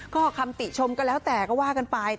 ก็คำติชมก็แล้วแต่ก็ว่ากันไป